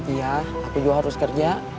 iya aku juga harus kerja